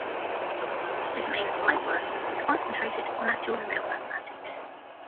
His main applied work was concentrated on actuarial mathematics.